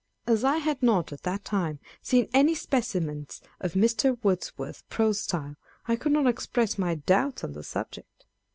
As I had not, at that time, seen any specimens of Mr. Wordsworth's prose style, I could not express my doubts on the subject.